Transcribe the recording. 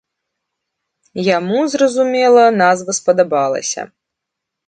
Яму, зразумела, назва спадабалася.